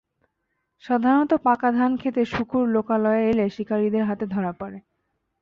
সাধারণত পাকা ধান খেতে শূকর লোকালয়ে এলে শিকারিদের হাতে ধরা পড়ে।